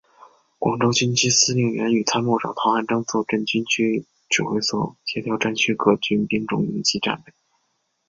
广州军区司令员与参谋长陶汉章坐镇军区指挥所协调战区个军兵种应急战备。